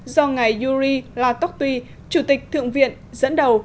do ngày yuri latokty chủ tịch thượng viện dẫn đầu